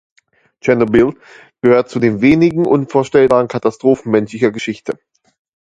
Tschernobyl gehört zu den wenigen unvorstellbaren Katastrophen menschlicher Geschichte.